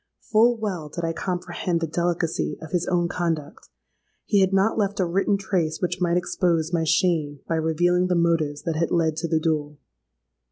Full well did I comprehend the delicacy of his own conduct: he had not left a written trace which might expose my shame by revealing the motives that had led to the duel!